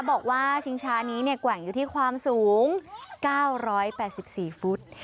บอกว่าชิงชานี้แกว่งอยู่ที่ความสูง๙๘๔ฟุต